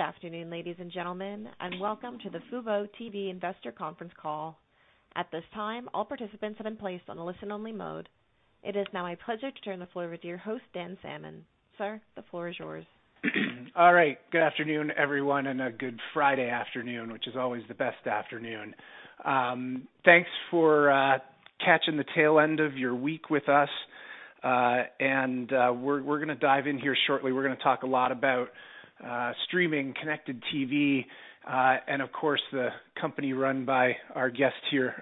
Good afternoon, ladies and gentlemen, and welcome to the fuboTV Investor Conference Call. At this time, all participants have been placed on a listen-only mode. It is now my pleasure to turn the floor over to your host, Dan Salmon. Sir, the floor is yours. All right. Good afternoon, everyone, and a good Friday afternoon, which is always the best afternoon. Thanks for catching the tail end of your week with us. We're going to dive in here shortly. We're going to talk a lot about streaming connected TV, and of course, the company run by our guest here,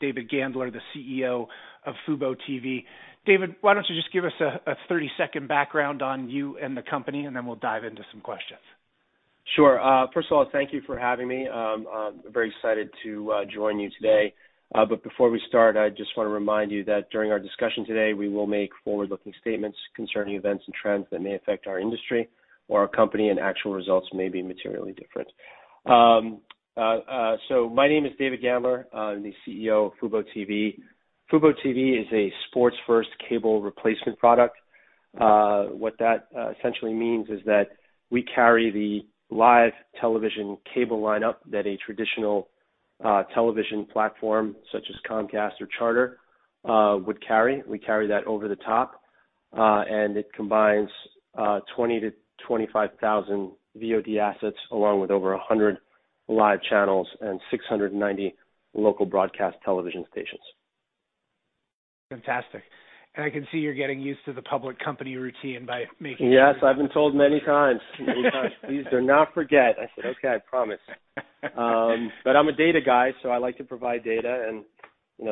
David Gandler, the CEO of fuboTV. David, why don't you just give us a 30-second background on you and the company, then we'll dive into some questions. Sure. First of all, thank you for having me. I'm very excited to join you today. Before we start, I just want to remind you that during our discussion today, we will make forward-looking statements concerning events and trends that may affect our industry or our company, actual results may be materially different. My name is David Gandler. I'm the CEO of fuboTV. fuboTV is a sports first cable replacement product. What that essentially means is that we carry the live television cable lineup that a traditional television platform such as Comcast or Charter would carry. We carry that over the top, it combines 20,000 to 25,000 VOD assets, along with over 100 live channels and 690 local broadcast television stations. Fantastic. I can see you're getting used to the public company routine. Yes, I've been told many times. Many times. Please do not forget. I said, "Okay, I promise." I'm a data guy, so I like to provide data, and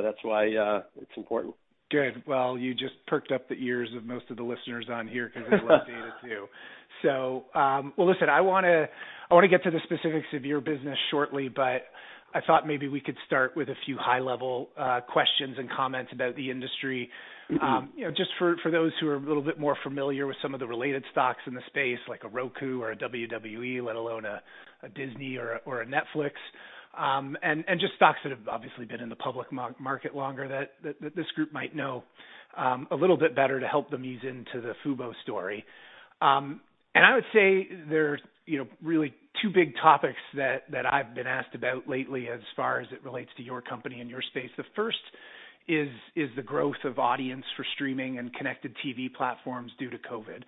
that's why it's important. Good. Well, you just perked up the ears of most of the listeners on here because they love data too. Well, listen, I want to get to the specifics of your business shortly, but I thought maybe we could start with a few high-level questions and comments about the industry. Just for those who are a little bit more familiar with some of the related stocks in the space, like a Roku or a WWE, let alone a Disney or a Netflix, and just stocks that have obviously been in the public market longer that this group might know a little bit better to help them ease into the fubo story. I would say there's really two big topics that I've been asked about lately as far as it relates to your company and your space. The first is the growth of audience for streaming and connected TV platforms due to COVID,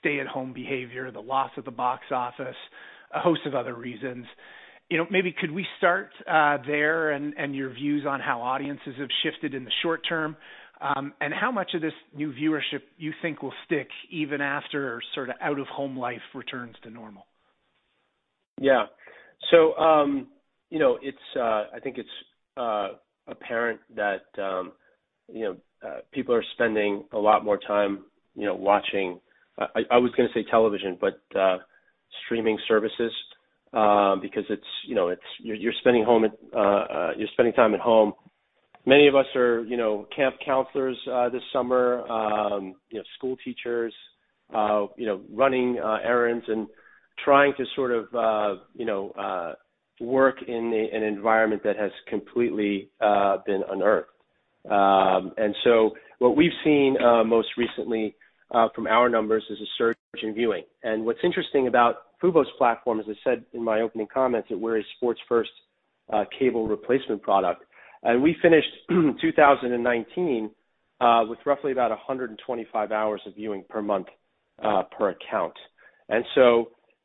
stay at home behavior, the loss of the box office, a host of other reasons. Maybe could we start there and your views on how audiences have shifted in the short term, and how much of this new viewership you think will stick even after sort of out-of-home life returns to normal? I think it's apparent that people are spending a lot more time watching, I was going to say television, but streaming services, because you're spending time at home. Many of us are camp counselors this summer, school teachers, running errands, and trying to sort of work in an environment that has completely been unearthed. What we've seen most recently from our numbers is a surge in viewing. What's interesting about fubo's platform, as I said in my opening comments, that we're a sports first cable replacement product. We finished 2019 with roughly about 125 hours of viewing per month per account.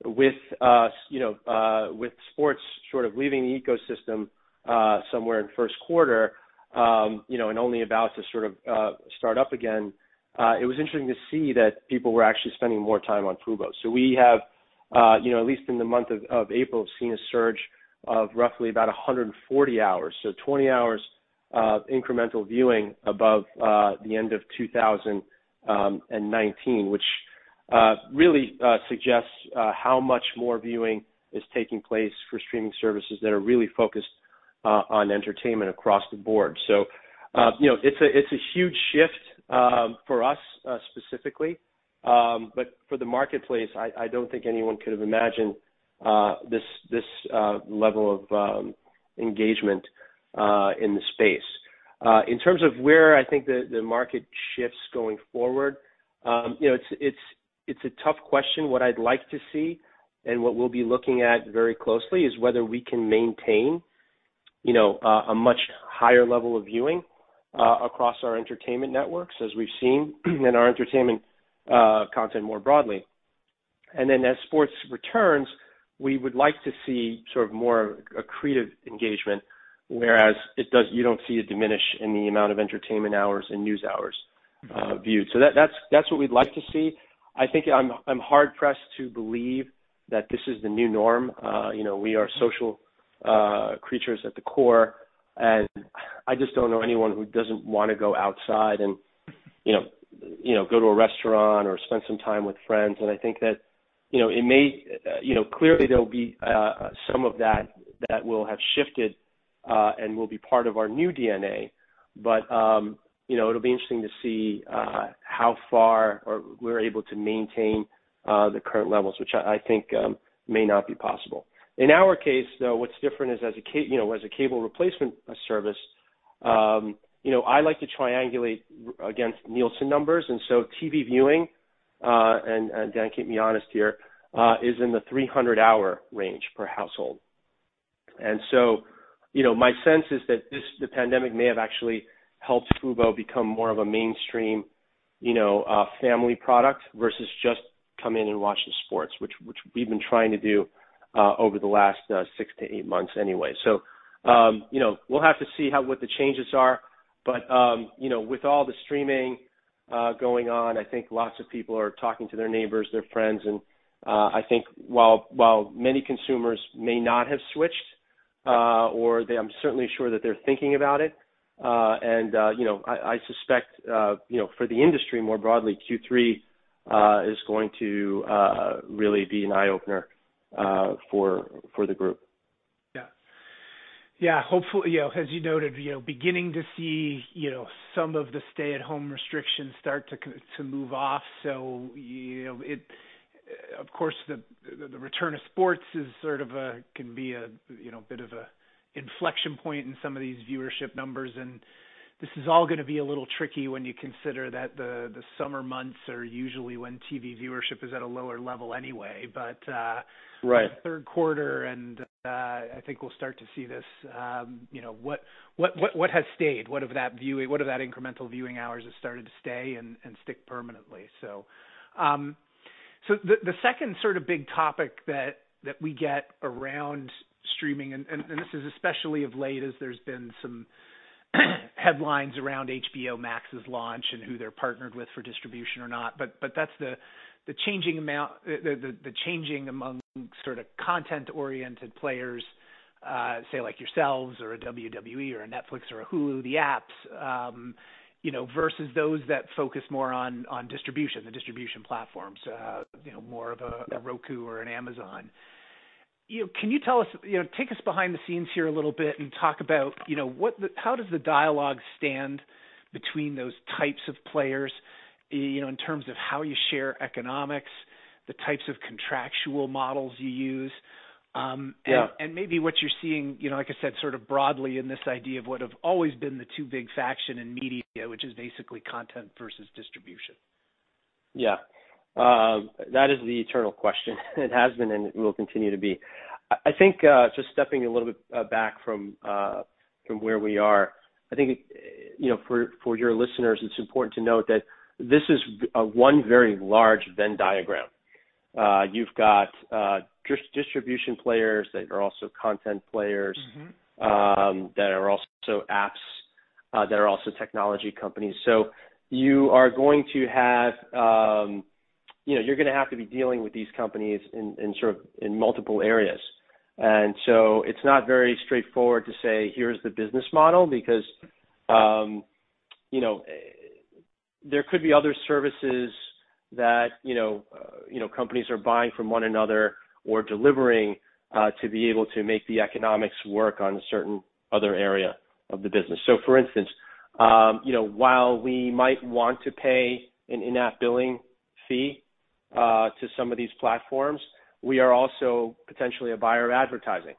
With sports sort of leaving the ecosystem somewhere in first quarter, and only about to sort of start up again, it was interesting to see that people were actually spending more time on fubo. We have at least in the month of April, have seen a surge of roughly about 140 hours. 20 hours of incremental viewing above the end of 2019, which really suggests how much more viewing is taking place for streaming services that are really focused on entertainment across the board. It's a huge shift for us specifically. For the marketplace, I don't think anyone could have imagined this level of engagement in the space. In terms of where I think the market shifts going forward, it's a tough question. What I'd like to see and what we'll be looking at very closely is whether we can maintain a much higher level of viewing across our entertainment networks as we've seen in our entertainment content more broadly. As sports returns, we would like to see sort of more accretive engagement, whereas you don't see a diminish in the amount of entertainment hours and news hours viewed. That's what we'd like to see. I think I'm hard-pressed to believe that this is the new norm. We are social creatures at the core, and I just don't know anyone who doesn't want to go outside and go to a restaurant or spend some time with friends. I think that clearly there'll be some of that that will have shifted, and will be part of our new DNA. It'll be interesting to see how far or we're able to maintain the current levels, which I think may not be possible. In our case, though, what's different is as a cable replacement service I like to triangulate against Nielsen numbers. TV viewing, and Dan, keep me honest here, is in the 300-hour range per household. My sense is that the pandemic may have actually helped fubo become more of a mainstream family product versus just come in and watch the sports, which we've been trying to do over the last six to eight months anyway. We'll have to see what the changes are. With all the streaming going on, I think lots of people are talking to their neighbors, their friends. I think while many consumers may not have switched, or I'm certainly sure that they're thinking about it. I suspect for the industry more broadly, Q3 is going to really be an eye-opener for the group. Yeah. As you noted, beginning to see some of the stay-at-home restrictions start to move off. Of course, the return of sports can be a bit of an inflection point in some of these viewership numbers. This is all going to be a little tricky when you consider that the summer months are usually when TV viewership is at a lower level anyway. Right third quarter, I think we'll start to see this, what has stayed, what of that incremental viewing hours has started to stay and stick permanently. The second sort of big topic that we get around streaming, and this is especially of late as there's been some headlines around HBO Max's launch and who they're partnered with for distribution or not. That's the changing among sort of content-oriented players, say, like yourselves or a WWE or a Netflix or a Hulu, the apps versus those that focus more on distribution, the distribution platforms, more of a Roku or an Amazon. Take us behind the scenes here a little bit and talk about how does the dialogue stand between those types of players, in terms of how you share economics, the types of contractual models you use. Yeah Maybe what you're seeing, like I said, sort of broadly in this idea of what have always been the two big faction in media, which is basically content versus distribution. Yeah. That is the eternal question. It has been, and it will continue to be. I think just stepping a little bit back from where we are. I think for your listeners, it's important to note that this is one very large Venn diagram. You've got distribution players that are also content players. that are also apps, that are also technology companies. You're going to have to be dealing with these companies in multiple areas. It's not very straightforward to say, here's the business model, because there could be other services that companies are buying from one another or delivering to be able to make the economics work on a certain other area of the business. For instance, while we might want to pay an in-app billing fee to some of these platforms, we are also potentially a buyer of advertising.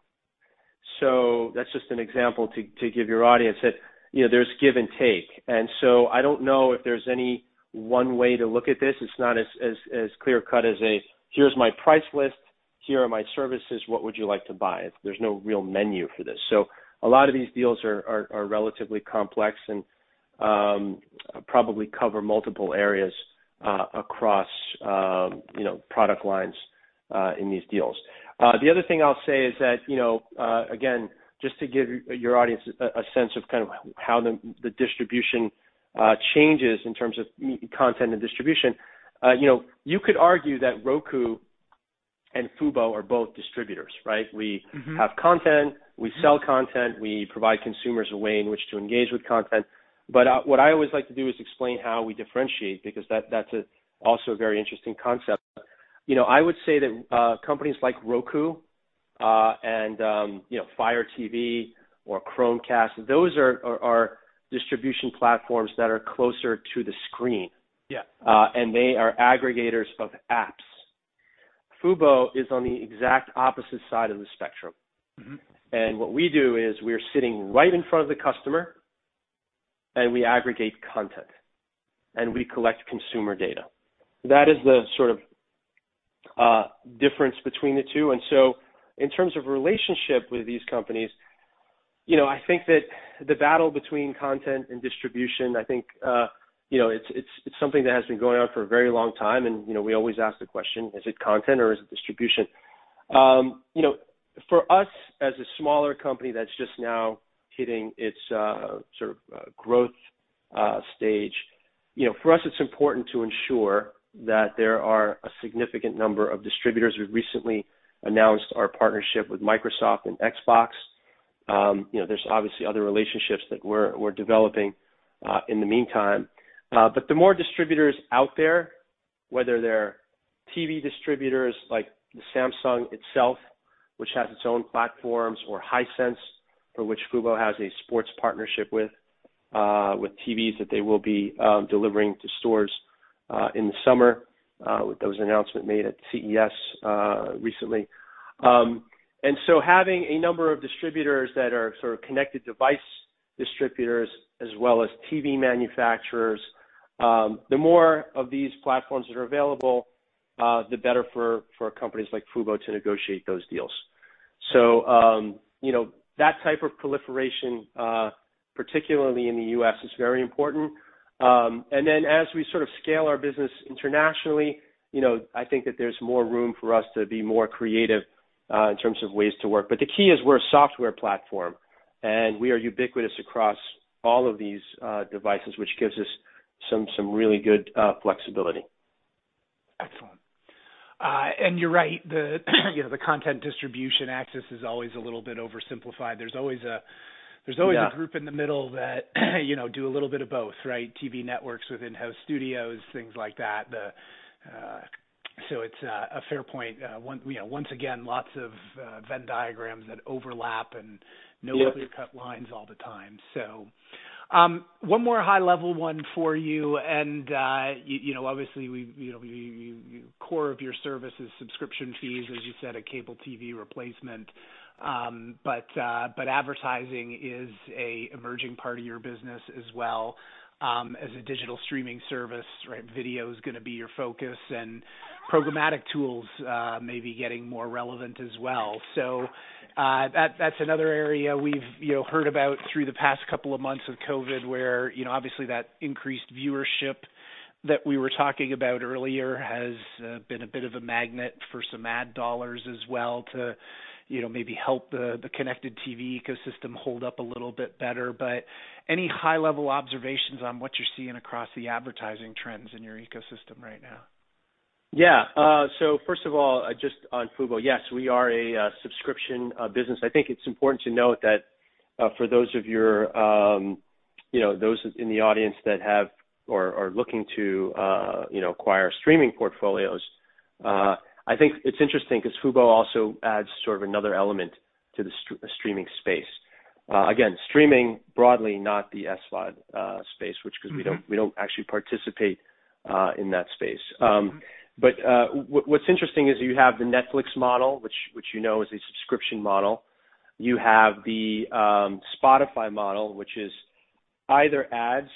That's just an example to give your audience that there's give and take. I don't know if there's any one way to look at this. It's not as clear-cut as a, "Here's my price list. Here are my services. What would you like to buy?" There's no real menu for this. A lot of these deals are relatively complex and probably cover multiple areas across product lines in these deals. The other thing I'll say is that, again, just to give your audience a sense of kind of how the distribution changes in terms of content and distribution. You could argue that Roku and fubo are both distributors, right? We have content. We sell content. We provide consumers a way in which to engage with content. What I always like to do is explain how we differentiate, because that's also a very interesting concept. I would say that companies like Roku and Fire TV or Chromecast, those are our distribution platforms that are closer to the screen. Yeah. They are aggregators of apps. Fubo is on the exact opposite side of the spectrum. What we do is we are sitting right in front of the customer and we aggregate content, and we collect consumer data. That is the sort of difference between the two. In terms of relationship with these companies, I think that the battle between content and distribution, I think it's something that has been going on for a very long time, and we always ask the question, is it content or is it distribution? For us as a smaller company that's just now hitting its sort of growth stage, for us it's important to ensure that there are a significant number of distributors. We've recently announced our partnership with Microsoft and Xbox. There's obviously other relationships that we're developing in the meantime. The more distributors out there, whether they're TV distributors like the Samsung itself, which has its own platforms, or Hisense, for which fubo has a sports partnership with TVs that they will be delivering to stores. In the summer, with those announcements made at CES recently. Having a number of distributors that are sort of connected device distributors as well as TV manufacturers, the more of these platforms that are available, the better for companies like fubo to negotiate those deals. That type of proliferation, particularly in the U.S., is very important. As we sort of scale our business internationally, I think that there's more room for us to be more creative in terms of ways to work. The key is we're a software platform, and we are ubiquitous across all of these devices, which gives us some really good flexibility. Excellent. You're right, the content distribution access is always a little bit oversimplified. Yeah There's always a group in the middle that do a little bit of both, right? TV networks with in-house studios, things like that. It's a fair point. Once again, lots of Venn diagrams that overlap. Yep Nobody cut lines all the time. One more high level one for you, and obviously, core of your service is subscription fees, as you said, a cable TV replacement. Advertising is an emerging part of your business as well. As a digital streaming service, video is going to be your focus, and programmatic tools may be getting more relevant as well. That's another area we've heard about through the past couple of months of COVID, where obviously that increased viewership that we were talking about earlier has been a bit of a magnet for some ad dollars as well to maybe help the connected TV ecosystem hold up a little bit better. Any high-level observations on what you're seeing across the advertising trends in your ecosystem right now? First of all, just on fuboTV, yes, we are a subscription business. I think it's important to note that for those in the audience that have or are looking to acquire streaming portfolios, I think it's interesting because fuboTV also adds sort of another element to the streaming space. Again, streaming broadly not the SVOD space, which because we don't actually participate in that space. What's interesting is you have the Netflix model, which you know is a subscription model. You have the Spotify model, which is either ads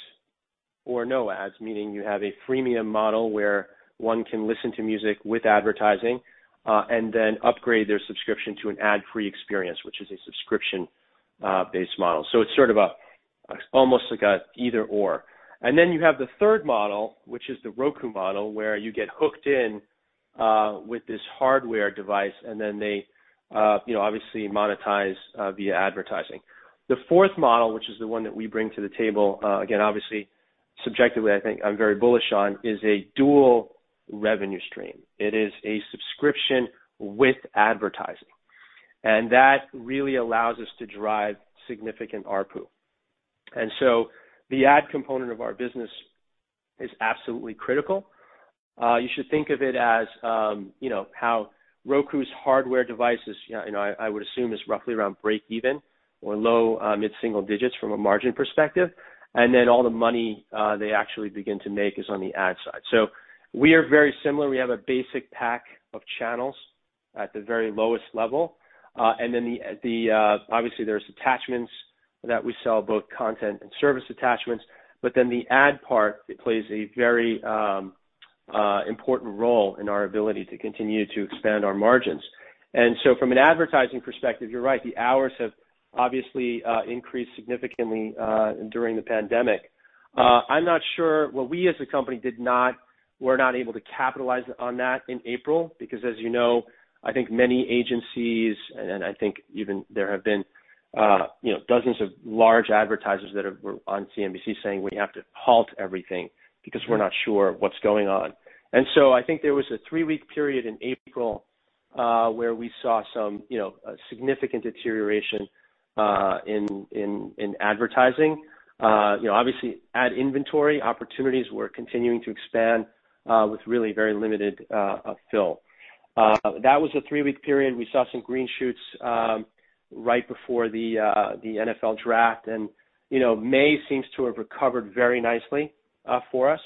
or no ads, meaning you have a freemium model where one can listen to music with advertising, and then upgrade their subscription to an ad-free experience, which is a subscription-based model. It's sort of almost like an either/or. You have the third model, which is the Roku model, where you get hooked in with this hardware device, and then they obviously monetize via advertising. The fourth model, which is the one that we bring to the table, again, obviously, subjectively, I think I'm very bullish on, is a dual revenue stream. It is a subscription with advertising. That really allows us to drive significant ARPU. The ad component of our business is absolutely critical. You should think of it as how Roku's hardware devices, I would assume is roughly around breakeven or low mid-single-digits from a margin perspective. All the money they actually begin to make is on the ad side. We are very similar. We have a basic pack of channels at the very lowest level. Obviously there's attachments that we sell, both content and service attachments. The ad part, it plays a very important role in our ability to continue to expand our margins. From an advertising perspective, you're right. The hours have obviously increased significantly during the pandemic. I'm not sure. Well, we as a company were not able to capitalize on that in April because as you know, I think many agencies, and I think even there have been dozens of large advertisers that were on CNBC saying we have to halt everything because we're not sure what's going on. I think there was a three-week period in April where we saw some significant deterioration in advertising. Obviously, ad inventory opportunities were continuing to expand with really very limited fill. That was a three-week period. We saw some green shoots right before the NFL draft. May seems to have recovered very nicely for us.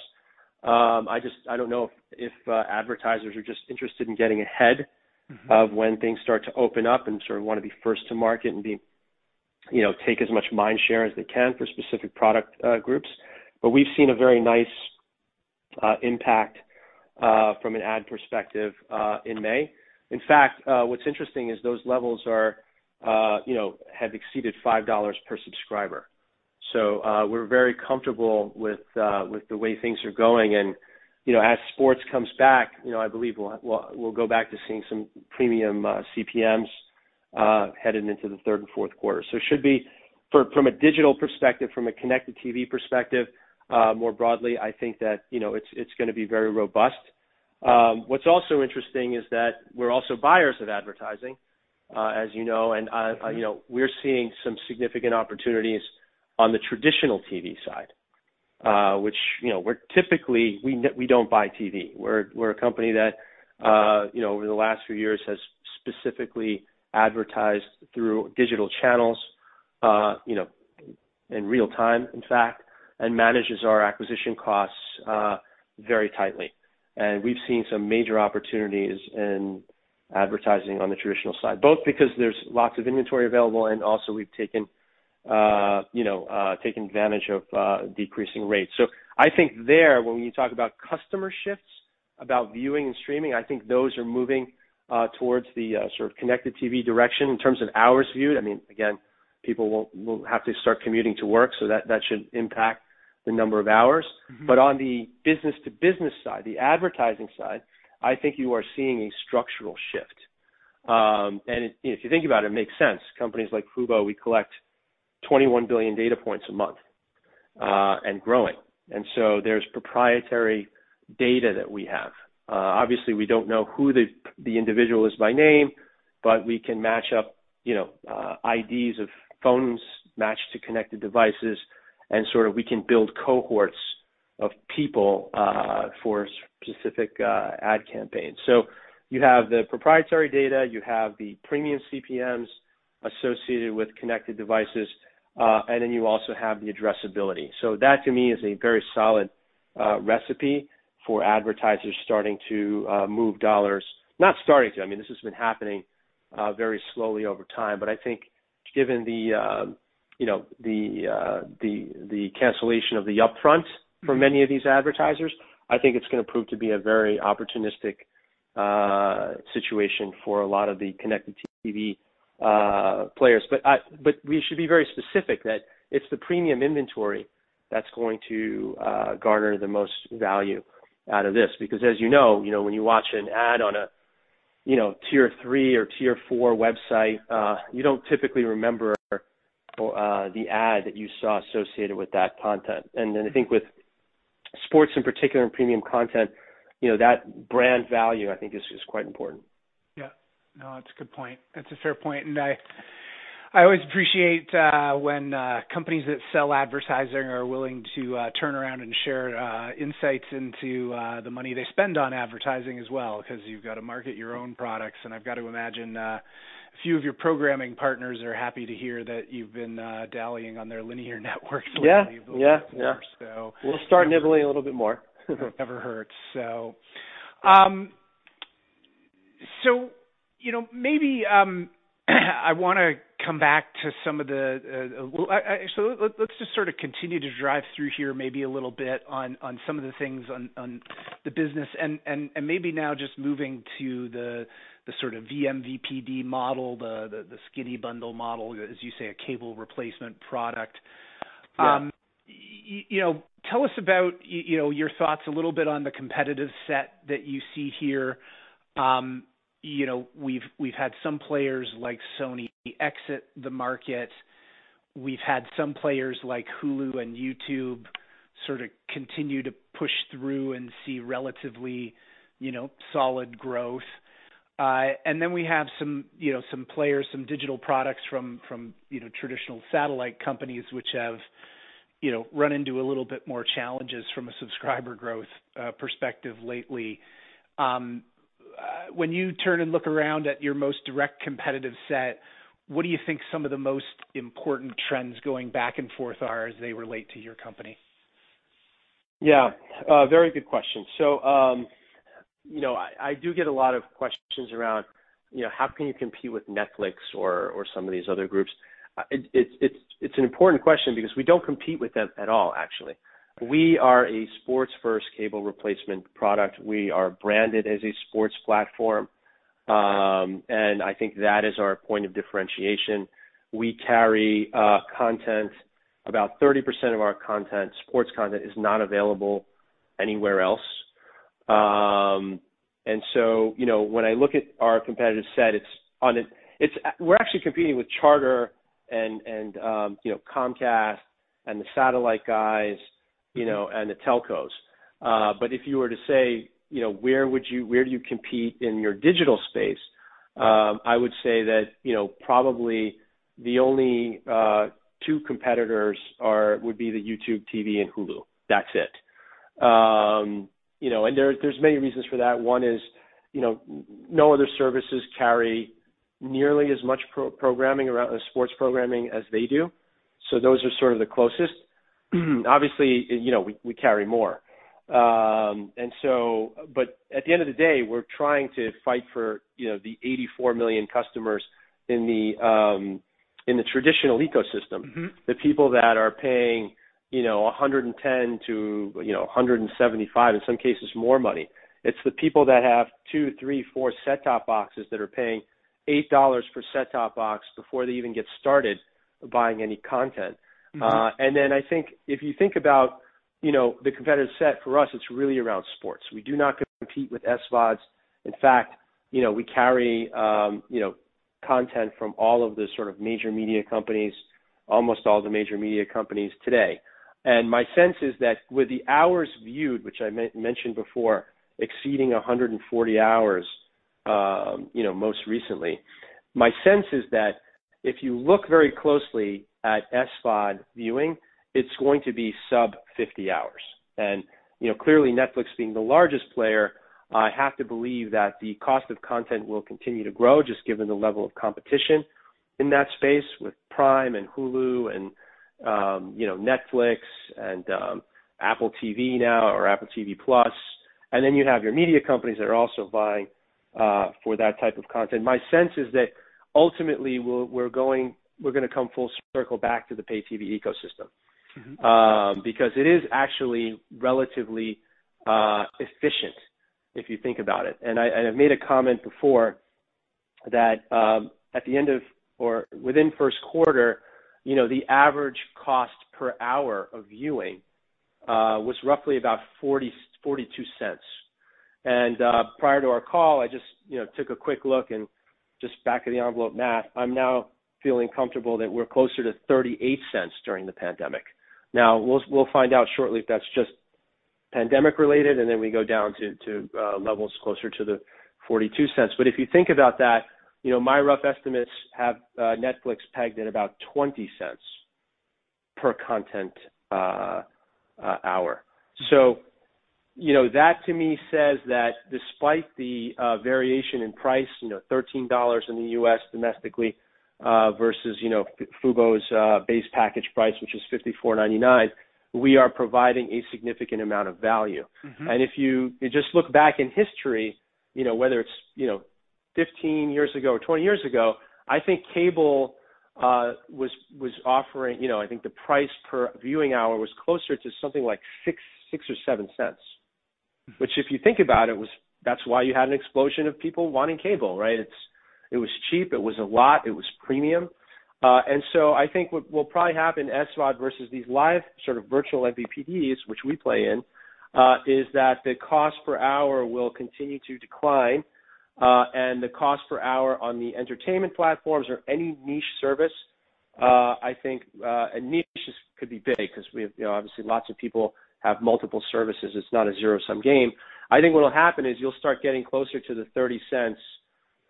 I don't know if advertisers are just interested in getting ahead of when things start to open up and sort of want to be first to market and take as much mind share as they can for specific product groups. We've seen a very nice impact from an ad perspective in May. In fact, what's interesting is those levels have exceeded $5 per subscriber. We're very comfortable with the way things are going, and as sports comes back, I believe we'll go back to seeing some premium CPMs headed into the third and fourth quarter. It should be from a digital perspective, from a connected TV perspective, more broadly, I think that it's going to be very robust. What's also interesting is that we're also buyers of advertising, as you know, we're seeing some significant opportunities on the traditional TV side. Which, we're typically, we don't buy TV. We're a company that over the last few years has specifically advertised through digital channels. In real time, in fact, and manages our acquisition costs very tightly. We've seen some major opportunities in advertising on the traditional side, both because there's lots of inventory available, and also we've taken advantage of decreasing rates. I think there, when we talk about customer shifts, about viewing and streaming, I think those are moving towards the sort of connected TV direction in terms of hours viewed. Again, people will have to start commuting to work, so that should impact the number of hours. On the business-to-business side, the advertising side, I think you are seeing a structural shift. If you think about it makes sense. Companies like fubo, we collect 21 billion data points a month, and growing. There's proprietary data that we have. Obviously, we don't know who the individual is by name, but we can match up IDs of phones matched to connected devices, and sort of we can build cohorts of people for specific ad campaigns. You have the proprietary data, you have the premium CPMs associated with connected devices, and then you also have the addressability. That to me is a very solid recipe for advertisers starting to move dollars. Not starting to, I mean, this has been happening very slowly over time, but I think given the cancellation of the upfront for many of these advertisers, I think it's going to prove to be a very opportunistic situation for a lot of the connected TV players. We should be very specific that it's the premium inventory that's going to garner the most value out of this because as you know, when you watch an ad on a tier 3 or tier 4 website, you don't typically remember the ad that you saw associated with that content. I think with sports in particular and premium content, that brand value, I think is quite important. Yeah. No, that's a good point. That's a fair point. I always appreciate when companies that sell advertising are willing to turn around and share insights into the money they spend on advertising as well because you've got to market your own products. I've got to imagine a few of your programming partners are happy to hear that you've been dallying on their linear networks lately- Yeah with fuboTV, so. We'll start nibbling a little bit more. It never hurts. Let's just sort of continue to drive through here maybe a little bit on some of the things on the business and maybe now just moving to the sort of vMVPD model, the skinny bundle model, as you say, a cable replacement product. Yeah. Tell us about your thoughts a little bit on the competitive set that you see here. We've had some players like Sony exit the market. We've had some players like Hulu and YouTube sort of continue to push through and see relatively solid growth. We have some players, some digital products from traditional satellite companies which have run into a little bit more challenges from a subscriber growth perspective lately. When you turn and look around at your most direct competitive set, what do you think some of the most important trends going back and forth are as they relate to your company? Yeah. Very good question. I do get a lot of questions around how can you compete with Netflix or some of these other groups. It's an important question because we don't compete with them at all, actually. We are a sports-first cable replacement product. We are branded as a sports platform. I think that is our point of differentiation. We carry content, about 30% of our content, sports content is not available anywhere else. When I look at our competitive set, we're actually competing with Charter and Comcast and the satellite guys, and the telcos. If you were to say, where do you compete in your digital space? I would say that probably the only two competitors would be the YouTube TV and Hulu. That's it. There's many reasons for that. One is no other services carry nearly as much sports programming as they do. Those are sort of the closest. Obviously, we carry more. At the end of the day, we're trying to fight for the 84 million customers in the traditional ecosystem. The people that are paying $110-$175, in some cases, more money. It's the people that have two, three, four set-top boxes that are paying $8 per set-top box before they even get started buying any content. I think if you think about the competitive set, for us, it's really around sports. We do not compete with SVODs. In fact, we carry content from all of the sort of major media companies, almost all the major media companies today. My sense is that with the hours viewed, which I mentioned before, exceeding 140 hours most recently. My sense is that if you look very closely at SVOD viewing. It's going to be sub 50 hours. Clearly Netflix being the largest player, I have to believe that the cost of content will continue to grow just given the level of competition in that space with Prime Video and Hulu and Netflix and Apple TV now, or Apple TV+. You have your media companies that are also buying for that type of content. My sense is that ultimately we're going to come full circle back to the pay TV ecosystem. It is actually relatively efficient if you think about it. I made a comment before that within the first quarter, the average cost per hour of viewing was roughly about $0.42. Prior to our call, I just took a quick look and just back of the envelope math. I'm now feeling comfortable that we're closer to $0.38 during the pandemic. Now, we'll find out shortly if that's just pandemic-related, then we go down to levels closer to the $0.42. If you think about that, my rough estimates have Netflix pegged at about $0.20 per content hour. That to me says that despite the variation in price, $13 in the U.S. domestically, versus fubo's base package price, which is $54.99, we are providing a significant amount of value. If you just look back in history, whether it's 15 years ago or 20 years ago, I think cable was offering, I think the price per viewing hour was closer to something like $0.06 or $0.07. Which if you think about it, that's why you had an explosion of people wanting cable, right? It was cheap, it was a lot, it was premium. I think what will probably happen in SVOD versus these live sort of virtual MVPDs, which we play in, is that the cost per hour will continue to decline, and the cost per hour on the entertainment platforms or any niche service, I think, and niches could be big because obviously lots of people have multiple services. It's not a zero-sum game. I think what'll happen is you'll start getting closer to the $0.30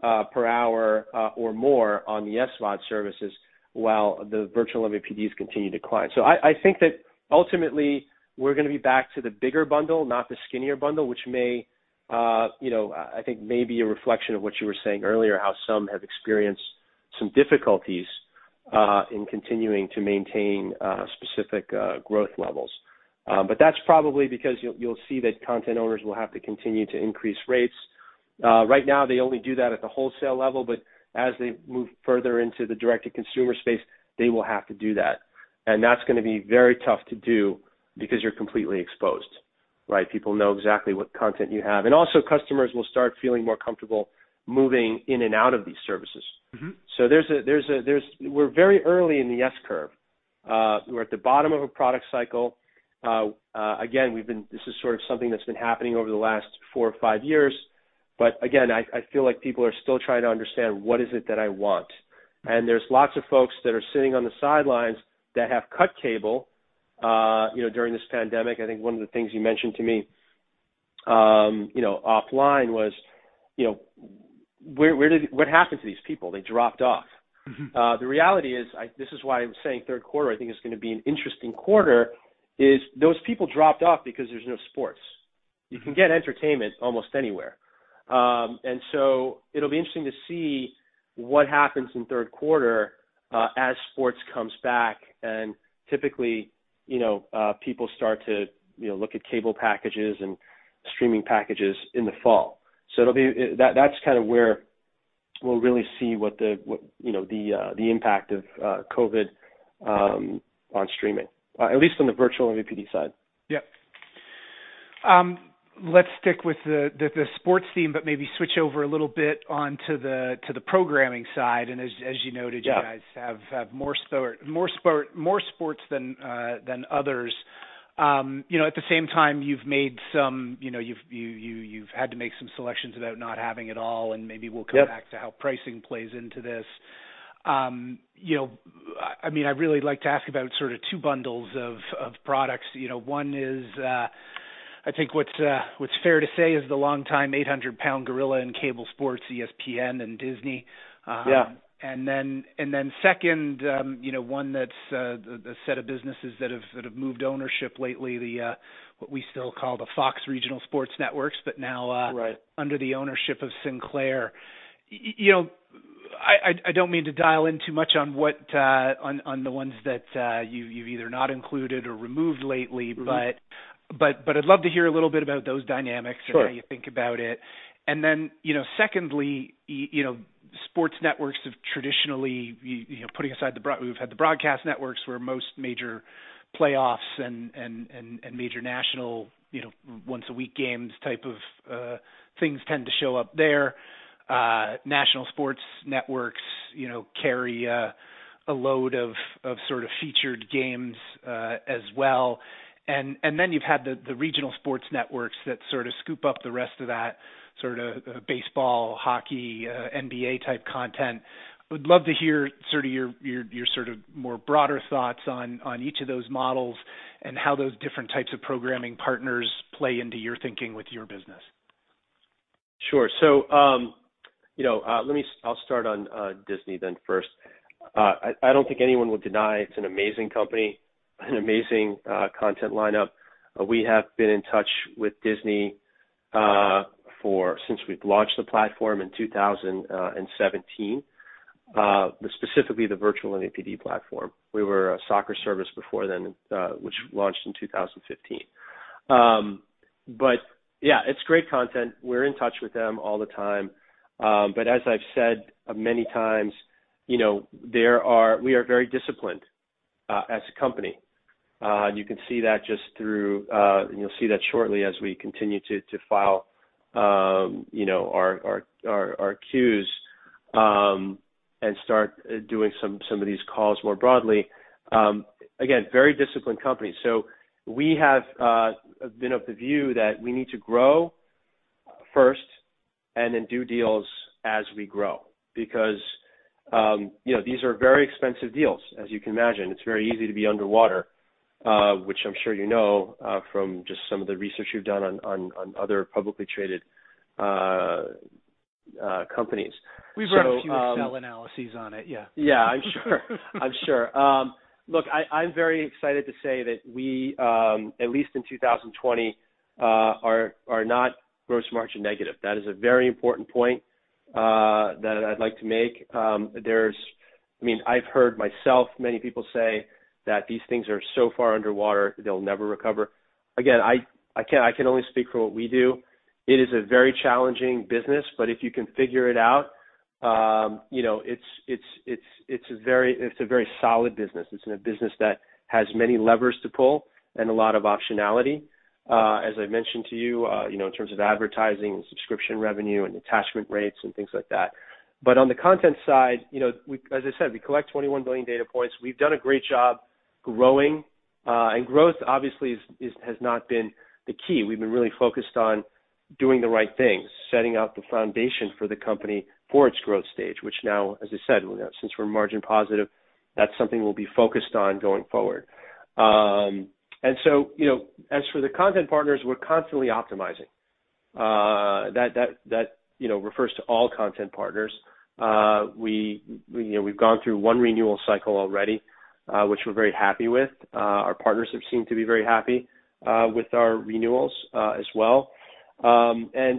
per hour or more on the SVOD services while the virtual MVPDs continue to decline. I think that ultimately we're going to be back to the bigger bundle, not the skinnier bundle, which I think may be a reflection of what you were saying earlier, how some have experienced some difficulties in continuing to maintain specific growth levels. That's probably because you'll see that content owners will have to continue to increase rates. Right now they only do that at the wholesale level, but as they move further into the direct-to-consumer space, they will have to do that. That's going to be very tough to do because you're completely exposed, right? People know exactly what content you have. Also customers will start feeling more comfortable moving in and out of these services. We're very early in the S curve. We're at the bottom of a product cycle. Again, this is sort of something that's been happening over the last four or five years. Again, I feel like people are still trying to understand what is it that I want. There's lots of folks that are sitting on the sidelines that have cut cable during this pandemic. I think one of the things you mentioned to me offline was what happened to these people? They dropped off. The reality is, this is why I'm saying third quarter I think is going to be an interesting quarter, is those people dropped off because there's no sports. You can get entertainment almost anywhere. It'll be interesting to see what happens in the third quarter as sports comes back and typically people start to look at cable packages and streaming packages in the fall. That's where we'll really see what the impact of COVID on streaming, at least on the virtual MVPD side. Yep. Let's stick with the sports theme, maybe switch over a little bit onto the programming side. As you noted- Yeah you guys have more sports than others. At the same time, you've had to make some selections about not having it all, and maybe we'll come back- Yep to how pricing plays into this. I really like to ask about sort of two bundles of products. One is, I think what's fair to say is the longtime 800-pound gorilla in cable sports, ESPN and Disney. Yeah. Second, one that's a set of businesses that have moved ownership lately, what we still call the Fox Regional Sports Networks, but now- Right under the ownership of Sinclair. I don't mean to dial in too much on the ones that you've either not included or removed lately- I'd love to hear a little bit about those dynamics. Sure How you think about it. Secondly, Sports Networks have traditionally, putting aside we've had the broadcast networks where most major playoffs and major national once-a-week games type of things tend to show up there. National Sports Networks carry a load of sort of featured games as well. You've had the Regional Sports Networks that sort of scoop up the rest of that baseball, hockey, NBA-type content. I would love to hear your sort of more broader thoughts on each of those models and how those different types of programming partners play into your thinking with your business. Sure. I'll start on Disney then first. I don't think anyone would deny it's an amazing company, an amazing content lineup. We have been in touch with Disney since we've launched the platform in 2017, specifically the Virtual MVPD platform. We were a soccer service before then, which launched in 2015. Yeah, it's great content. We're in touch with them all the time. As I've said many times, we are very disciplined as a company. You'll see that shortly as we continue to file our Qs, and start doing some of these calls more broadly. Again, very disciplined company. We have been of the view that we need to grow first, and then do deals as we grow. Because these are very expensive deals, as you can imagine. It's very easy to be underwater, which I'm sure you know from just some of the research you've done on other publicly traded companies. We've run a few Excel analyses on it, yeah. Yeah, I'm sure. Look, I'm very excited to say that we, at least in 2020, are not gross margin negative. That is a very important point that I'd like to make. I've heard myself, many people say that these things are so far underwater, they'll never recover. Again, I can only speak for what we do. It is a very challenging business, but if you can figure it out, it's a very solid business. It's a business that has many levers to pull and a lot of optionality, as I've mentioned to you, in terms of advertising and subscription revenue and attachment rates and things like that. On the content side, as I said, we collect 21 billion data points. We've done a great job growing. Growth, obviously, has not been the key. We've been really focused on doing the right things, setting up the foundation for the company for its growth stage, which now, as I said, since we're margin positive, that's something we'll be focused on going forward. As for the content partners, we're constantly optimizing. That refers to all content partners. We've gone through one renewal cycle already, which we're very happy with. Our partners have seemed to be very happy with our renewals as well. You're going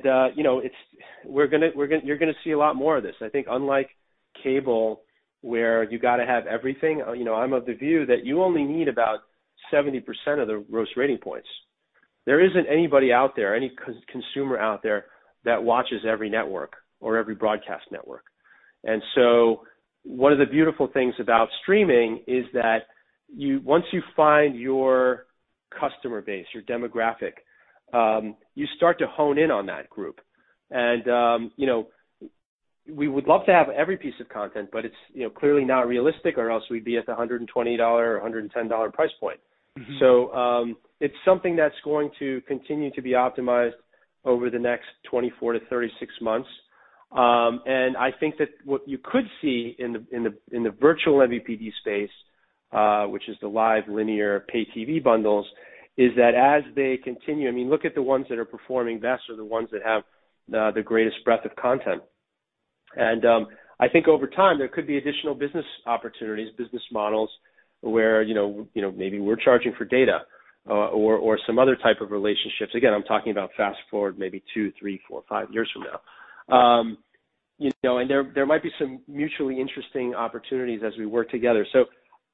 to see a lot more of this. I think unlike cable, where you got to have everything, I'm of the view that you only need about 70% of the gross rating points. There isn't anybody out there, any consumer out there that watches every network or every broadcast network. One of the beautiful things about streaming is that once you find your customer base, your demographic, you start to hone in on that group. We would love to have every piece of content, but it's clearly not realistic, or else we'd be at the $120, $110 price point. It's something that's going to continue to be optimized over the next 24-36 months. I think that what you could see in the vMVPD space, which is the live linear pay TV bundles, is that as they continue — I mean, look at the ones that are performing best are the ones that have the greatest breadth of content. I think over time, there could be additional business opportunities, business models where maybe we're charging for data or some other type of relationships. Again, I'm talking about fast-forward maybe two, three, four, five years from now. There might be some mutually interesting opportunities as we work together.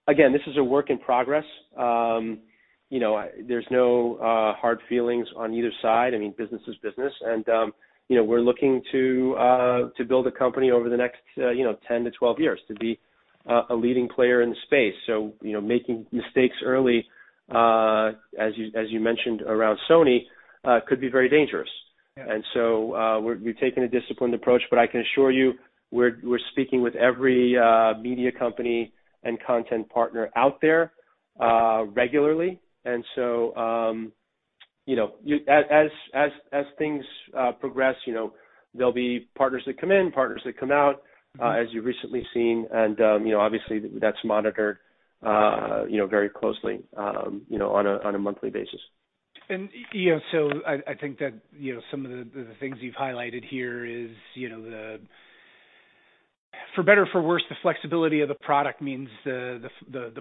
Again, this is a work in progress. There's no hard feelings on either side. Business is business. We're looking to build a company over the next 10-12 years to be a leading player in the space. Making mistakes early, as you mentioned around Sony, could be very dangerous. Yeah. We've taken a disciplined approach, but I can assure you, we're speaking with every media company and content partner out there regularly. As things progress, there'll be partners that come in, partners that come out, as you've recently seen, and obviously that's monitored very closely on a monthly basis. I think that some of the things you've highlighted here is for better or for worse, the flexibility of the product means the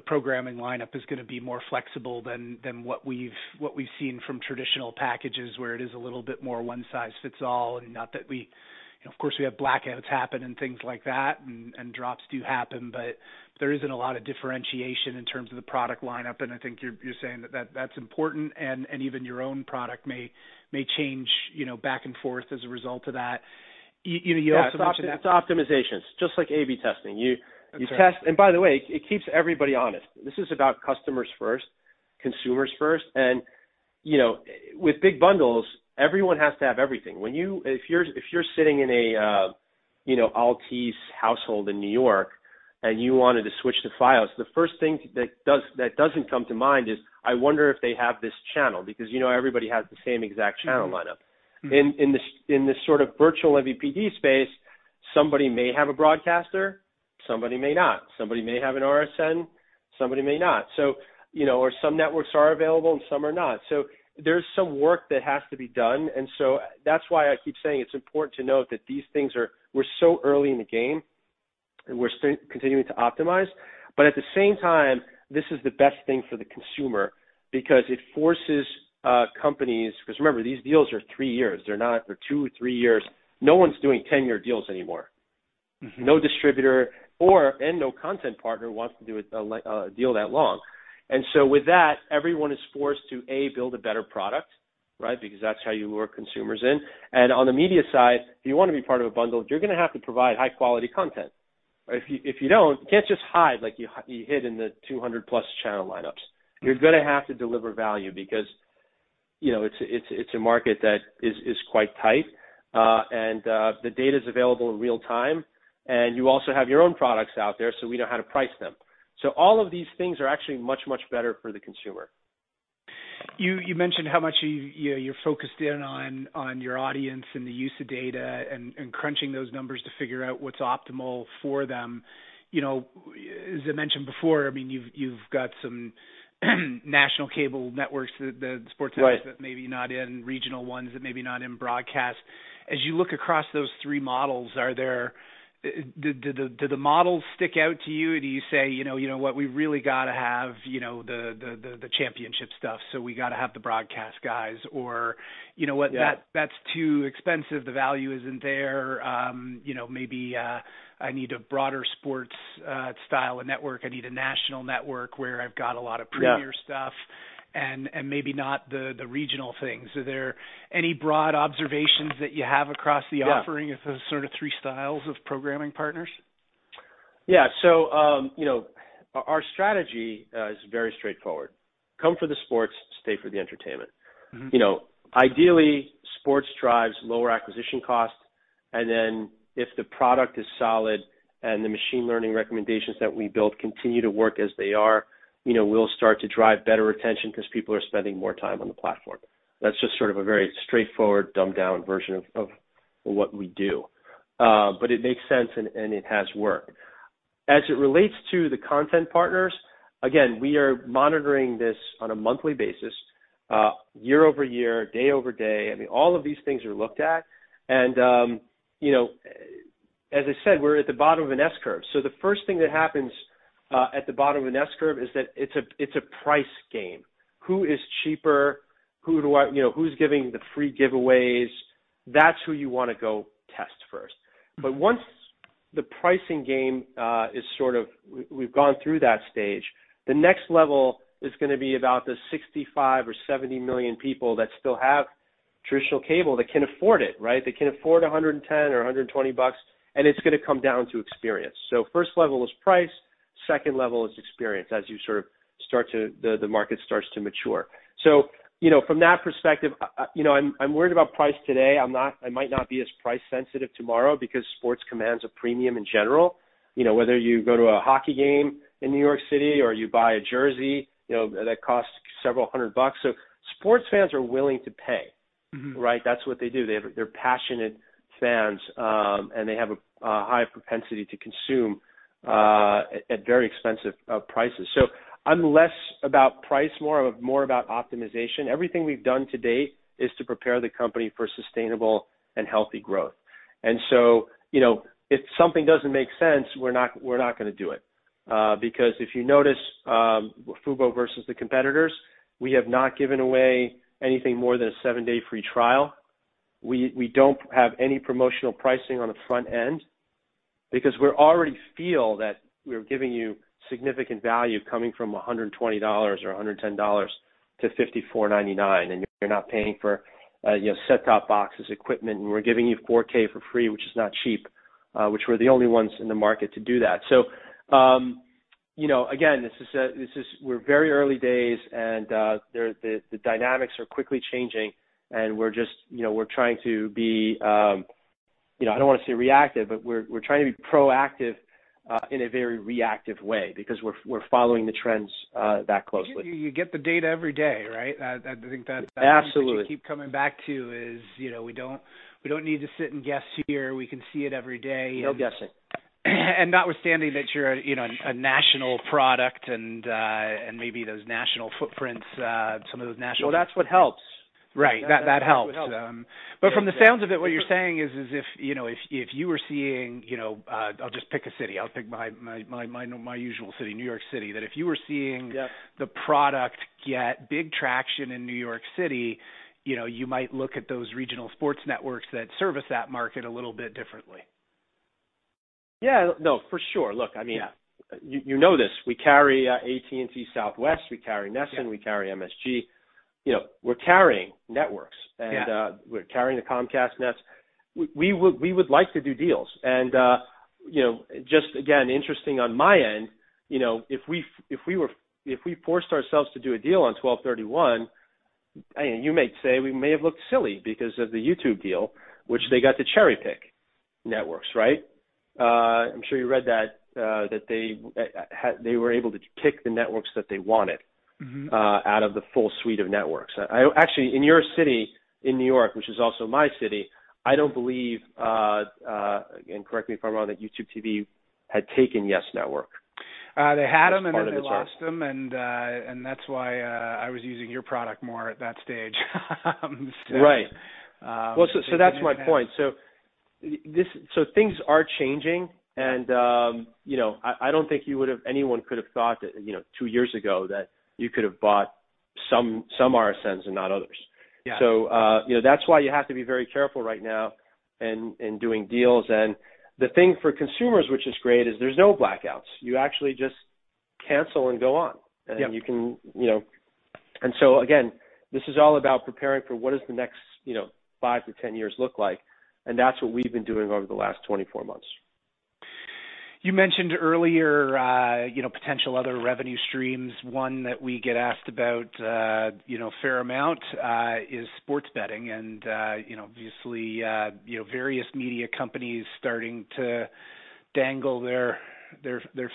programming lineup is going to be more flexible than what we've seen from traditional packages where it is a little bit more one-size-fits-all. Of course, we have blackouts happen and things like that, and drops do happen, but there isn't a lot of differentiation in terms of the product lineup. I think you're saying that that's important, and even your own product may change back and forth as a result of that. You also mentioned that. Yeah, it's optimizations, just like A/B testing. Okay. By the way, it keeps everybody honest. This is about customers first, consumers first. With big bundles, everyone has to have everything. If you're sitting in a Altice household in New York and you wanted to switch to Fios, the first thing that doesn't come to mind is I wonder if they have this channel because everybody has the same exact channel lineup. In this sort of virtual MVPD space. Somebody may have a broadcaster, somebody may not. Somebody may have an RSN, somebody may not. Some networks are available, and some are not. There's some work that has to be done, that's why I keep saying it's important to note that we're so early in the game and we're continuing to optimize. At the same time, this is the best thing for the consumer because remember, these deals are 3 years. They're two or three years. No one's doing 10-year deals anymore. No distributor and no content partner wants to do a deal that long. With that, everyone is forced to, A, build a better product, right? Because that's how you lure consumers in. On the media side, if you want to be part of a bundle, you're going to have to provide high-quality content, right? If you don't, you can't just hide like you hid in the 200-plus channel lineups. You're going to have to deliver value because it's a market that is quite tight. The data's available in real-time, and you also have your own products out there, so we know how to price them. All of these things are actually much, much better for the consumer. You mentioned how much you're focused in on your audience and the use of data and crunching those numbers to figure out what's optimal for them. As I mentioned before, you've got some national cable networks, the sports networks. Right That may be not in regional ones, that may be not in broadcast. As you look across those three models, do the models stick out to you? Do you say, "You know what? We've really got to have the championship stuff, so we got to have the broadcast guys," or, "You know what? Yeah. That's too expensive. The value isn't there. Maybe I need a broader sports style of network. I need a national network where I've got a lot of premier stuff. Yeah Maybe not the regional things." Are there any broad observations that you have across the offering. Yeah of the sort of three styles of programming partners? Yeah. Our strategy is very straightforward. Come for the sports, stay for the entertainment. Ideally, sports drives lower acquisition cost, and then if the product is solid and the machine learning recommendations that we build continue to work as they are, we'll start to drive better retention because people are spending more time on the platform. That's just sort of a very straightforward, dumbed-down version of what we do. It makes sense, and it has worked. As it relates to the content partners, again, we are monitoring this on a monthly basis, year-over-year, day-over-day. All of these things are looked at. As I said, we're at the bottom of an S curve. The first thing that happens at the bottom of an S curve is that it's a price game. Who is cheaper? Who's giving the free giveaways? That's who you want to go test first. Once the pricing game is sort of, we've gone through that stage, the next level is going to be about the 65 or 70 million people that still have traditional cable that can afford it, right? That can afford $110 or $120, and it's going to come down to experience. Level 1 is price, level 2 is experience, as the market starts to mature. From that perspective, I'm worried about price today. I might not be as price sensitive tomorrow because sports commands a premium in general. Whether you go to a hockey game in New York City or you buy a jersey that costs several hundred dollars. Sports fans are willing to pay. Right. That's what they do. They're passionate fans, and they have a high propensity to consume at very expensive prices. I'm less about price, more about optimization. Everything we've done to date is to prepare the company for sustainable and healthy growth. If something doesn't make sense, we're not going to do it. Because if you notice fubo versus the competitors, we have not given away anything more than a seven-day free trial. We don't have any promotional pricing on the front end because we already feel that we're giving you significant value coming from $120 or $110 to $54.99, and you're not paying for set-top boxes equipment, and we're giving you 4K for free, which is not cheap, which we're the only ones in the market to do that. Again, we're very early days, and the dynamics are quickly changing, and we're trying to be, I don't want to say reactive, but we're trying to be proactive in a very reactive way because we're following the trends that closely. You get the data every day, right? Absolutely That's the thing that you keep coming back to is we don't need to sit and guess here. We can see it every day. No guessing Notwithstanding that you're a national product and maybe those national footprints, some of those national Well, that's what helps. Right. That helps. That's what helps. Yeah. From the sounds of it, what you're saying is if you were seeing, I'll just pick a city, I'll pick my usual city, New York City, that if you were seeing. Yep the product get big traction in New York City, you might look at those Regional Sports Networks that service that market a little bit differently. Yeah. No, for sure. Look, you know this. We carry AT&T Southwest, we carry NESN. Yeah we carry MSG. We're carrying networks. Yeah. we're carrying the Comcast Net. We would like to do deals. Just, again, interesting on my end, if we forced ourselves to do a deal on 12/31, you may say we may have looked silly because of the YouTube deal, which they got to cherry-pick networks, right? You read that they were able to pick the networks that they wanted out of the full suite of networks. Actually, in your city, in New York, which is also my city, I don't believe, and correct me if I'm wrong, that YouTube TV had taken YES Network as part of its offering. They had them and then they lost them, and that's why I was using your product more at that stage. Right. Well, that's my point. Things are changing, I don't think anyone could have thought 2 years ago that you could have bought some RSNs and not others. Yeah. That's why you have to be very careful right now in doing deals. The thing for consumers, which is great, is there's no blackouts. You actually just cancel and go on. Yep. Again, this is all about preparing for what does the next 5 to 10 years look like, that's what we've been doing over the last 24 months. You mentioned earlier potential other revenue streams. One that we get asked about a fair amount is sports betting. Obviously, various media companies starting to dangle their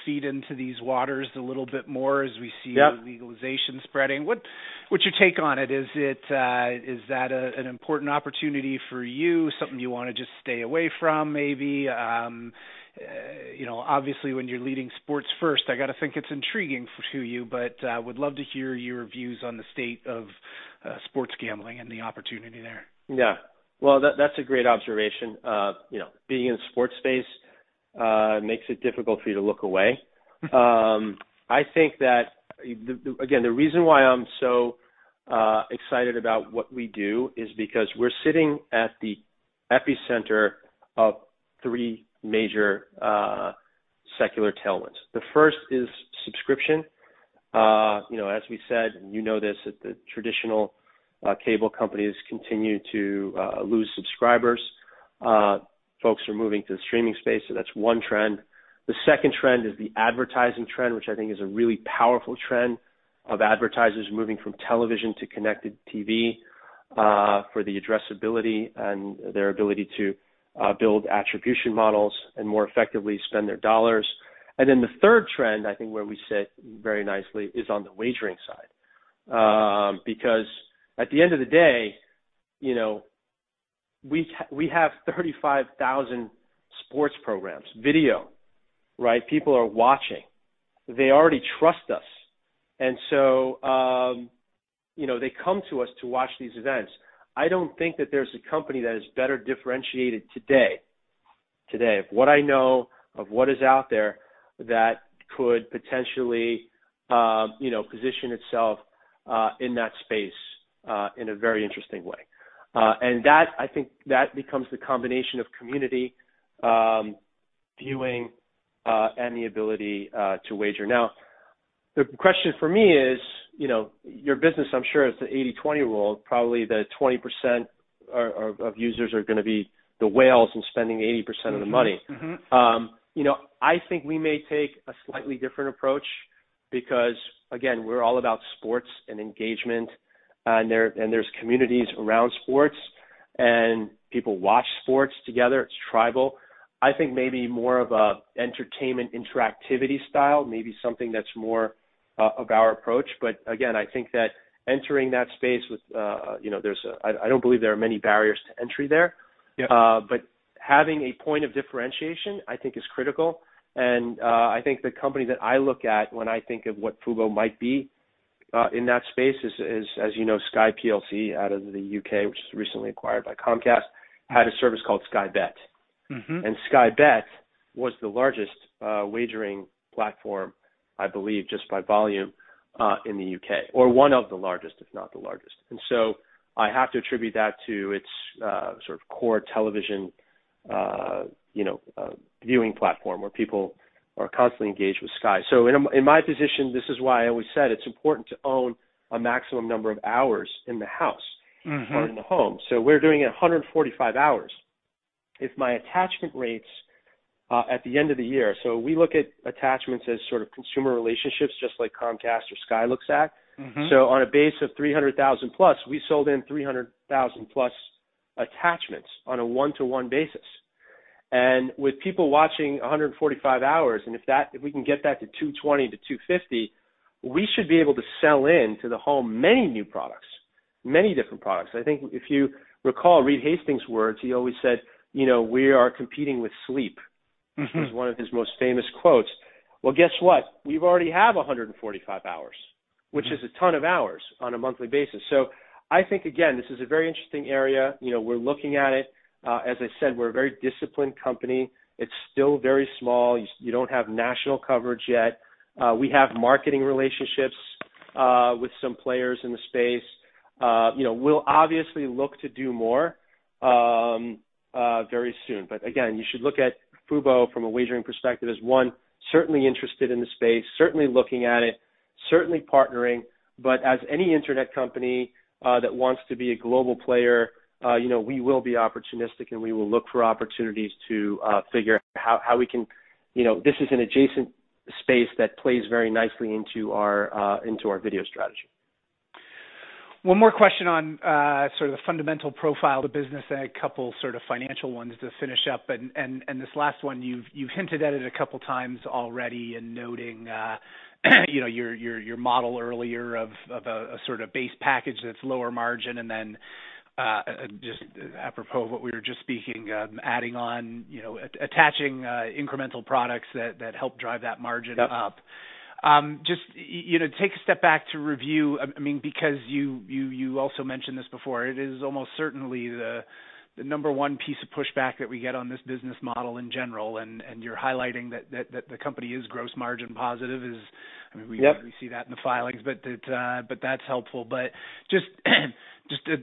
feet into these waters a little bit more. Yep the legalization spreading. What's your take on it? Is that an important opportunity for you, something you want to just stay away from maybe? Obviously when you're leading sports first, I got to think it's intriguing to you, but would love to hear your views on the state of sports gambling and the opportunity there. Yeah. Well, that's a great observation. Being in the sports space makes it difficult for you to look away. Again, the reason why I'm so excited about what we do is because we're sitting at the epicenter of three major secular tailwinds. The first is subscription. As we said, you know this, that the traditional cable companies continue to lose subscribers. Folks are moving to the streaming space, so that's one trend. The second trend is the advertising trend, which I think is a really powerful trend of advertisers moving from television to connected TV for the addressability and their ability to build attribution models and more effectively spend their dollars. The third trend, I think where we sit very nicely, is on the wagering side. Because at the end of the day, we have 35,000 sports programs, video, right? People are watching. They already trust us. They come to us to watch these events. I don't think that there's a company that is better differentiated today, of what I know, of what is out there, that could potentially position itself in that space in a very interesting way. I think that becomes the combination of community viewing and the ability to wager. Now, the question for me is, your business, I'm sure it's the 80/20 rule, probably the 20% of users are going to be the whales and spending 80% of the money. I think we may take a slightly different approach because, again, we're all about sports and engagement, and there's communities around sports, and people watch sports together. It's tribal. I think maybe more of a entertainment interactivity style, maybe something that's more of our approach. Again, I think that entering that space, I don't believe there are many barriers to entry there. Yeah. having a point of differentiation, I think is critical, and I think the company that I look at when I think of what fubo might be in that space is, as you know, Sky plc out of the U.K., which was recently acquired by Comcast, had a service called Sky Bet. Sky Bet was the largest wagering platform, I believe just by volume, in the U.K., or one of the largest, if not the largest. I have to attribute that to its sort of core television viewing platform where people are constantly engaged with Sky. in my position, this is why I always said it's important to own a maximum number of hours in the house or in the home. we're doing it 145 hours. If my attachment rates at the end of the year, so we look at attachments as sort of consumer relationships, just like Comcast or Sky looks at. on a base of 300,000 plus, we sold in 300,000 plus attachments on a one-to-one basis. with people watching 145 hours, and if we can get that to 220-250, we should be able to sell in to the home many new products, many different products. I think if you recall Reed Hastings' words, he always said, "We are competing with sleep. Which was one of his most famous quotes. Well, guess what? We already have 145 hours, which is a ton of hours on a monthly basis. I think, again, this is a very interesting area. We're looking at it. As I said, we're a very disciplined company. It's still very small. You don't have national coverage yet. We have marketing relationships with some players in the space. We'll obviously look to do more very soon. Again, you should look at fubo from a wagering perspective as one certainly interested in the space, certainly looking at it, certainly partnering. As any internet company that wants to be a global player, we will be opportunistic, and we will look for opportunities to figure how we can. This is an adjacent space that plays very nicely into our video strategy. One more question on sort of the fundamental profile of the business and a couple sort of financial ones to finish up. This last one you've hinted at it a couple times already in noting your model earlier of a sort of base package that's lower margin and then, just apropos of what we were just speaking, adding on, attaching incremental products that help drive that margin up. Yep. Just take a step back to review, because you also mentioned this before. It is almost certainly the number one piece of pushback that we get on this business model in general, and you're highlighting that the company is gross margin positive is- Yep I mean, we see that in the filings, but that's helpful. Just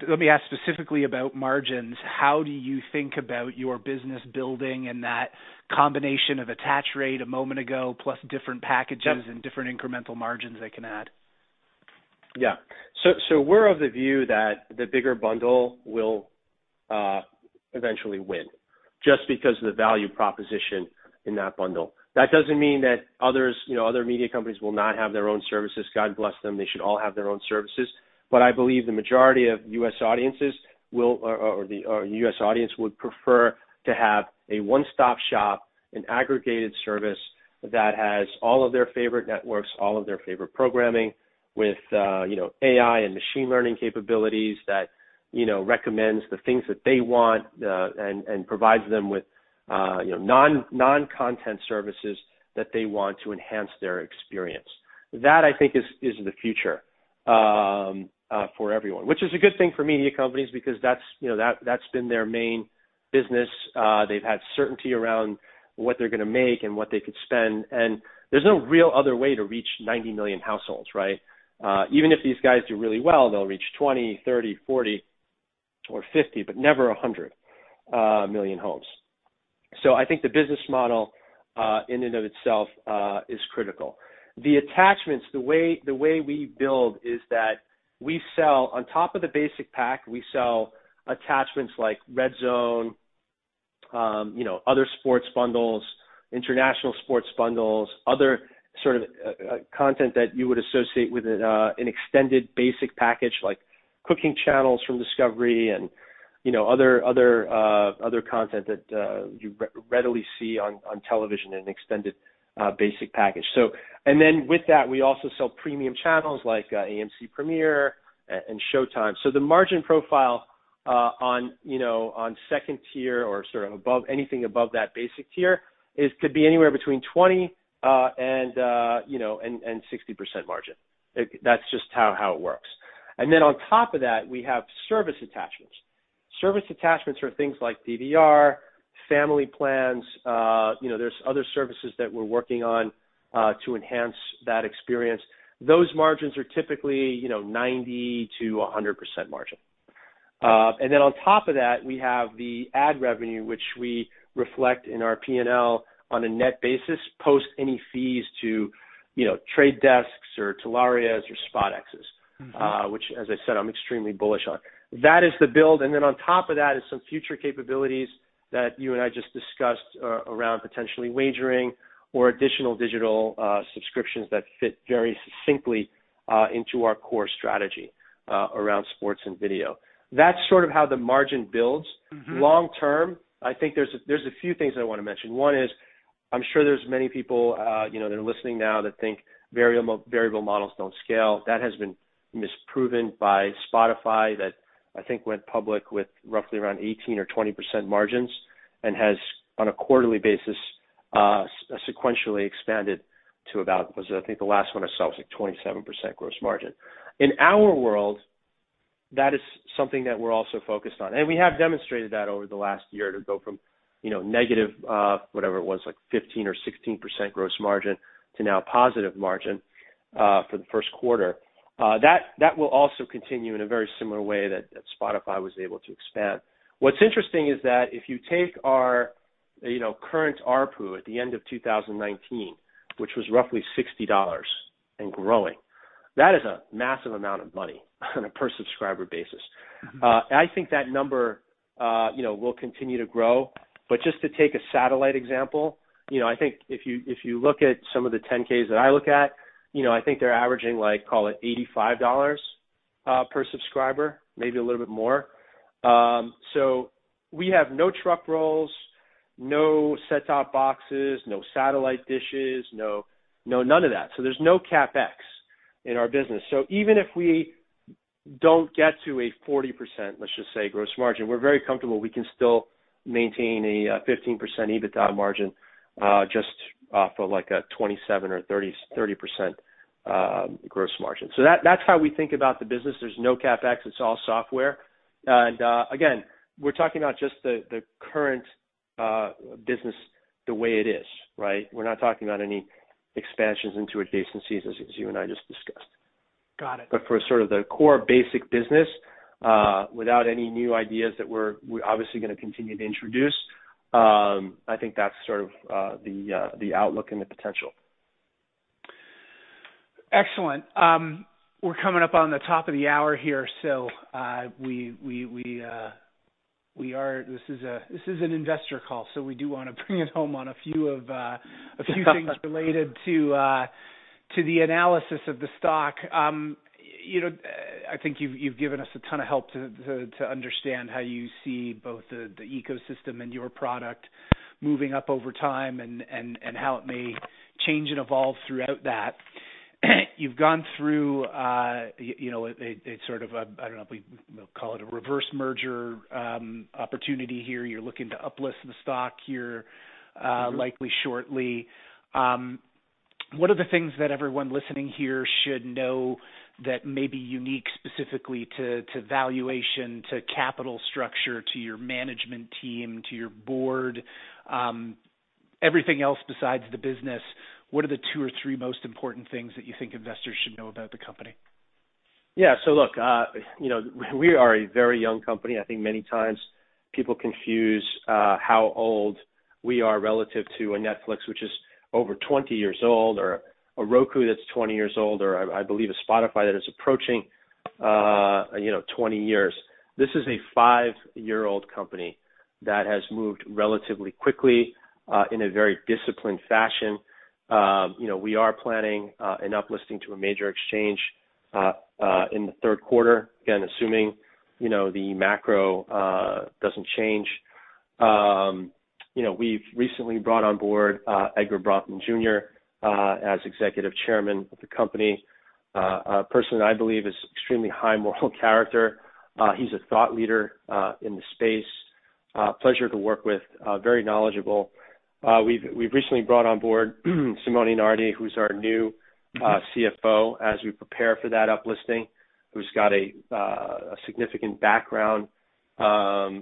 let me ask specifically about margins. How do you think about your business building and that combination of attach rate a moment ago, plus different packages- Yep different incremental margins they can add? Yeah. we're of the view that the bigger bundle will eventually win, just because of the value proposition in that bundle. That doesn't mean that other media companies will not have their own services. God bless them, they should all have their own services. I believe the majority of U.S. audiences will, or the U.S. audience would prefer to have a one-stop shop, an aggregated service that has all of their favorite networks, all of their favorite programming with AI and machine learning capabilities that recommends the things that they want, and provides them with non-content services that they want to enhance their experience. That, I think is the future for everyone, which is a good thing for media companies because that's been their main business. They've had certainty around what they're going to make and what they could spend, and there's no real other way to reach 90 million households, right? Even if these guys do really well, they'll reach 20, 30, 40 or 50, but never 100 million homes. So I think the business model, in and of itself, is critical. The attachments, the way we build is that we sell on top of the basic pack, we sell attachments like RedZone, other sports bundles, international sports bundles, other sort of content that you would associate with an extended basic package like cooking channels from Discovery and other content that you readily see on television in an extended basic package. with that, we also sell premium channels like AMC Premiere and Showtime. the margin profile on tier 2 or sort of anything above that basic tier is to be anywhere between 20% and 60% margin. That's just how it works. on top of that, we have service attachments. Service attachments are things like DVR, family plans, there's other services that we're working on to enhance that experience. Those margins are typically 90%-100% margin. on top of that, we have the ad revenue, which we reflect in our P&L on a net basis post any fees to trade desks or Telaria or SpotX which as I said, I'm extremely bullish on. That is the build, and then on top of that is some future capabilities that you and I just discussed around potentially wagering or additional digital subscriptions that fit very succinctly into our core strategy around sports and video. That's sort of how the margin builds. Long term, I think there's a few things I want to mention. One is, I'm sure there's many people that are listening now that think variable models don't scale. That has been misproven by Spotify, that I think went public with roughly around 18 or 20% margins and has, on a quarterly basis, sequentially expanded to about, I think the last one it was like 27% gross margin. In our world, that is something that we're also focused on. We have demonstrated that over the last year to go from negative, whatever it was, like 15 or 16% gross margin to now positive margin, for the first quarter. That will also continue in a very similar way that Spotify was able to expand. What's interesting is that if you take our current ARPU at the end of 2019, which was roughly $60 and growing, that is a massive amount of money on a per subscriber basis. I think that number will continue to grow. Just to take a satellite example, I think if you look at some of the 10-Ks that I look at, I think they're averaging, call it $85 per subscriber, maybe a little bit more. We have no truck rolls, no set-top boxes, no satellite dishes, none of that. There's no CapEx in our business. Even if we don't get to a 40%, let's just say, gross margin, we're very comfortable we can still maintain a 15% EBITDA margin just off of like a 27 or 30% gross margin. That's how we think about the business. There's no CapEx, it's all software. Again, we're talking about just the current business the way it is, right? We're not talking about any expansions into adjacencies as you and I just discussed. Got it. For sort of the core basic business, without any new ideas that we're obviously going to continue to introduce, I think that's sort of the outlook and the potential. Excellent. We're coming up on the top of the hour here, so This is an investor call, so we do want to bring it home on a few things related to the analysis of the stock. I think you've given us a ton of help to understand how you see both the ecosystem and your product moving up over time and how it may change and evolve throughout that. You've gone through, it's sort of a, I don't know if we call it a reverse merger opportunity here. You're looking to uplist the stock here likely shortly. What are the things that everyone listening here should know that may be unique specifically to valuation, to capital structure, to your management team, to your board? Everything else besides the business, what are the two or three most important things that you think investors should know about the company? Yeah. Look, we are a very young company. I think many times people confuse how old we are relative to a Netflix, which is over 20 years old, or a Roku that's 20 years old, or I believe a Spotify that is approaching 20 years. This is a five-year-old company that has moved relatively quickly, in a very disciplined fashion. We are planning an uplisting to a major exchange in the third quarter, again, assuming the macro doesn't change. We've recently brought on board Edgar Bronfman Jr. as Executive Chairman of the company. A person that I believe is extremely high moral character. He's a thought leader in the space, a pleasure to work with, very knowledgeable. We've recently brought on board Simone Nardi, who's our new CFO as we prepare for that uplisting, who's got a significant background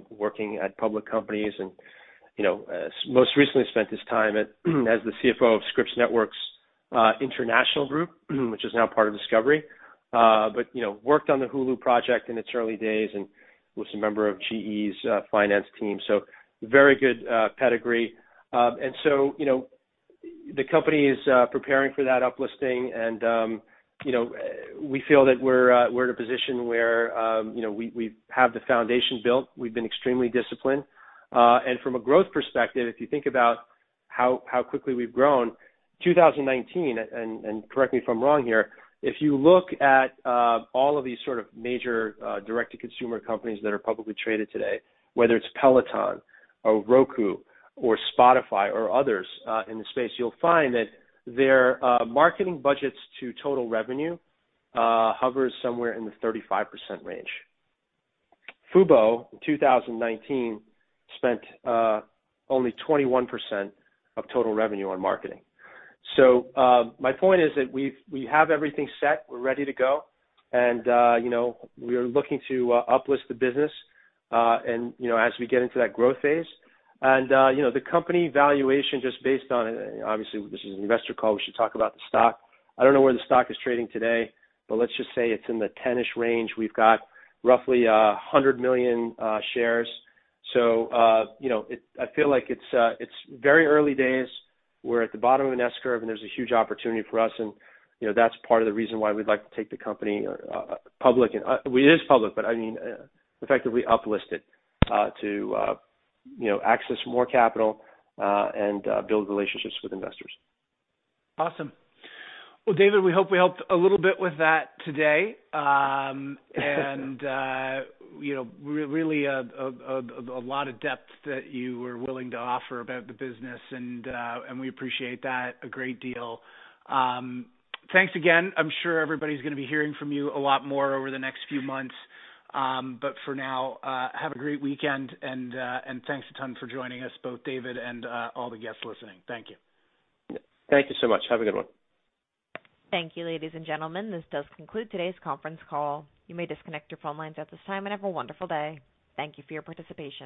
working at public companies and most recently spent his time as the CFO of Scripps Networks Interactive, which is now part of Discovery. worked on the Hulu project in its early days and was a member of GE's finance team. very good pedigree. the company is preparing for that uplisting and we feel that we're in a position where we have the foundation built. We've been extremely disciplined. from a growth perspective, if you think about how quickly we've grown, 2019, and correct me if I'm wrong here, if you look at all of these sort of major direct-to-consumer companies that are publicly traded today, whether it's Peloton or Roku or Spotify or others in the space, you'll find that their marketing budgets to total revenue hovers somewhere in the 35% range. fubo, in 2019, spent only 21% of total revenue on marketing. So my point is that we have everything set. We're ready to go. And we are looking to uplist the business as we get into that growth phase. And the company valuation just based on, obviously this is an investor call, we should talk about the stock. I don't know where the stock is trading today, but let's just say it's in the 10-ish range. We've got roughly 100 million shares. I feel like it's very early days. We're at the bottom of an S-curve, and there's a huge opportunity for us, and that's part of the reason why we'd like to take the company public. It is public, but I mean effectively uplist it to access more capital and build relationships with investors. Awesome. Well, David, we hope we helped a little bit with that today. really a lot of depth that you were willing to offer about the business and we appreciate that a great deal. Thanks again. I'm sure everybody's going to be hearing from you a lot more over the next few months. for now, have a great weekend and thanks a ton for joining us, both David and all the guests listening. Thank you. Thank you so much. Have a good one. Thank you, ladies and gentlemen. This does conclude today's conference call. You may disconnect your phone lines at this time, and have a wonderful day. Thank you for your participation.